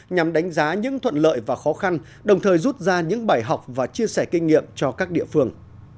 nhằm đánh giá những thuận lợi và khó khăn đồng thời rút ra những bài học và chia sẻ kinh nghiệm cho các địa phương